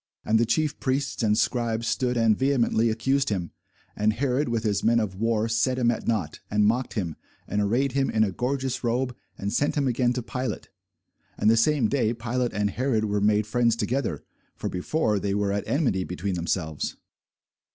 And the chief priests and scribes stood and vehemently accused him. And Herod with his men of war set him at nought, and mocked him, and arrayed him in a gorgeous robe, and sent him again to Pilate. And the same day Pilate and Herod were made friends together: for before they were at enmity between themselves.